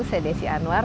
saya desi anwar